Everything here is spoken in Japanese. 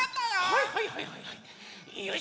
はいはいはいはいはい。